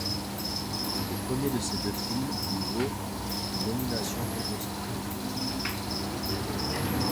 Le premier de ces deux films lui vaut une nomination aux Oscars.